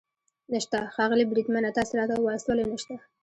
نشته؟ ښاغلی بریدمنه، تاسې راته ووایاست ولې نشته.